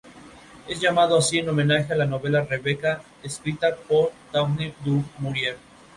Su padre, estadounidense, y su madre tailandesa-china trabajaban y vivían allí en ese momento.